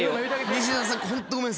西島さん